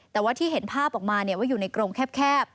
แต่ว่าที่เห็นภาพออกมาว่าอยู่ในกรงแคบ